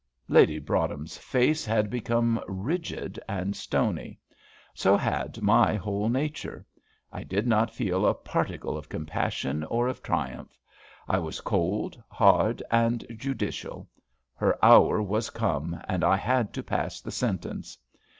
Lady Broadhem's face had become rigid and stony; so had my whole nature. I did not feel a particle of compassion or of triumph. I was cold, hard, and judicial. Her hour was come, and I had to pass the sentence.